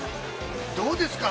どうですか。